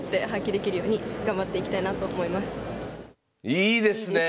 いいですねえ！